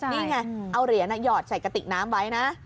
นี่ไงเอาเหรียญหยอดใส่กระติกน้ำไว้นะ